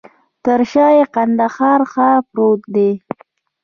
تر شاه یې د کندهار ښار پروت دی.